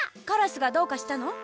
カラスがどうかしたの？